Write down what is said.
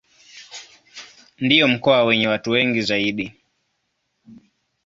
Ndio mkoa wenye watu wengi zaidi.